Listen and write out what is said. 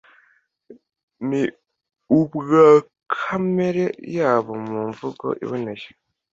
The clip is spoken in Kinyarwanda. ni ubwa kamere yawo mu mvugo iboneye